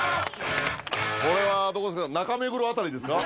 これはどこですか？